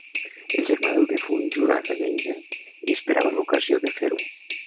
El germà del difunt jurà revenja i esperava l’ocasió de fer-ho.